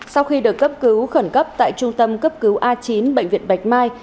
sau khi được cấp cứu khẩn cấp tại trung tâm cấp cứu a chín bệnh viện bạch mai